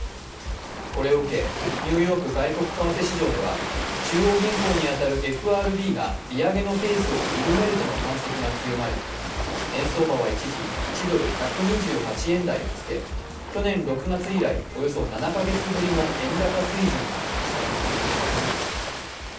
これを受けニューヨーク外国為替市場では中央銀行に当たるＦＲＢが利上げのペースを緩めるとの観測が強まり、円相場は一時、１ドル＝１２８円をつけ、去年６月以来およそ７ヶ月ぶりの円高水準となりました。